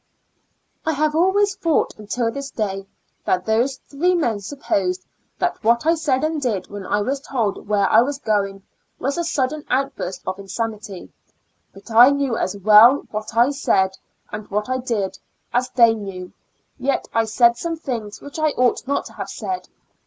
I have always thought until this day that those three men supposed that what I said and did when I was told where I was going, was a sudden outburst of insanity, but I knew as well what I said, and what I did, as they knew ; yet I said some things which I ought not to have said.